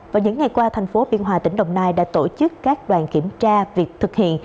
vào những ngày qua thành phố biên hòa tỉnh đồng nai đã tổ chức các đoàn kiểm tra việc thực hiện